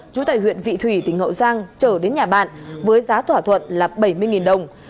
chú tại huyện vị thủy tỉnh hậu giang trở đến nhà bạn với giá thỏa thuận là bảy mươi đồng